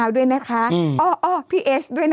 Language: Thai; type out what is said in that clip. มันเหมือนอ่ะ